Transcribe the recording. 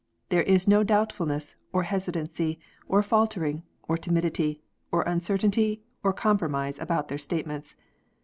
There is no doubtfulness, or hesitancy, or faltering, or timidity, or uncertainty, or compromise about their statements.